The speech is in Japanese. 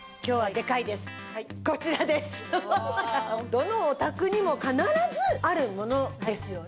どのお宅にも必ずあるものですよね。